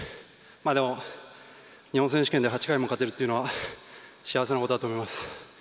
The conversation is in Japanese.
でも、日本選手権で８回も勝てるというのは幸せなことだと思います。